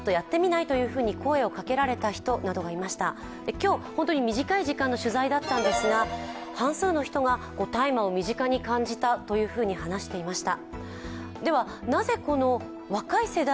今日、本当に身近い時間の取材だったんですが半数の人が大麻を身近に感じたと答えました。